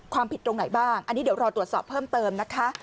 ผิดตรงไหนบ้างอันนี้เดี๋ยวรอตรวจสอบเพิ่มเติมนะคะ